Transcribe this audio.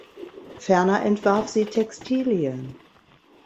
Ferner entwarf sie Textilien.